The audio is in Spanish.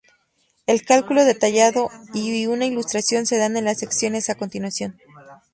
El cálculo detallado y una ilustración se dan en las secciones a continuación.